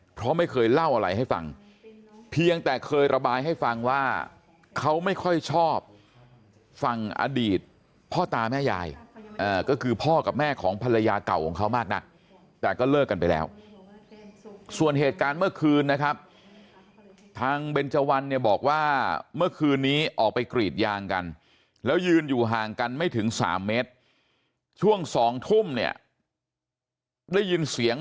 เพราะไม่เคยเล่าอะไรให้ฟังเพียงแต่เคยระบายให้ฟังว่าเขาไม่ค่อยชอบฝั่งอดีตพ่อตาแม่ยายก็คือพ่อกับแม่ของภรรยาเก่าของเขามากนักแต่ก็เลิกกันไปแล้วส่วนเหตุการณ์เมื่อคืนนะครับทางเบนเจวันเนี่ยบอกว่าเมื่อคืนนี้ออกไปกรีดยางกันแล้วยืนอยู่ห่างกันไม่ถึง๓เมตรช่วง๒ทุ่มเนี่ยได้ยินเสียง